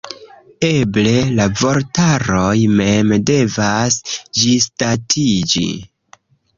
Eble la vortaroj mem devas ĝisdatiĝi.